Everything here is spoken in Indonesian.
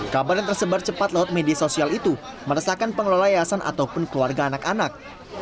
kabar yang tersebar cepat lewat media sosial itu meresahkan pengelola yayasan ataupun keluarga anak anak